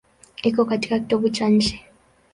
Iko katika kitovu cha nchi.